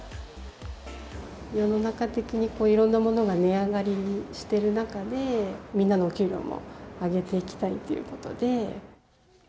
世の中的に、いろんなものが値上がりしている中で、みんなのお給料も上げていきたいということで。